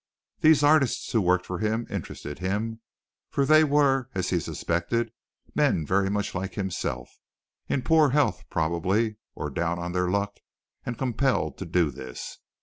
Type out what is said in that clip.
These artists who worked for him interested him, for they were as he suspected men very much like himself, in poor health probably, or down on their luck and compelled to do this.